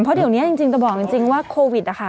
เพราะเดี๋ยวเนี้ยจริงจริงจะบอกจริงจริงว่าคอวิทย์อ่ะค่ะ